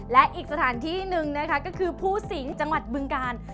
และอีกสถานที่หนึ่งนะคะก็คือภูสิงห์จังหวัดบึงกาล